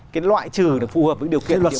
cái loại trừ để phù hợp với điều kiện của địa phương